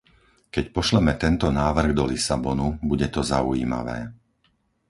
Keď pošleme tento návrh do Lisabonu, bude to zaujímavé.